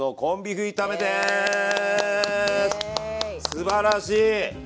すばらしい！